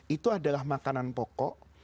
itu adalah makanan pokok